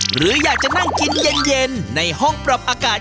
หรืออยากจะนั่งกินเย็นในห้องปรับอากาศ